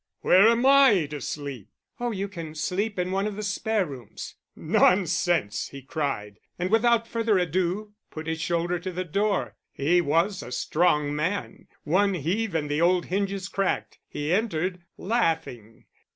Where am I to sleep?" "Oh, you can sleep in one of the spare rooms." "Nonsense!" he cried; and without further ado put his shoulder to the door: he was a strong man; one heave and the old hinges cracked. He entered, laughing.